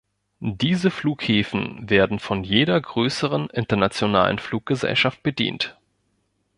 Diese Flughäfen werden von jeder größeren internationalen Fluggesellschaft bedient.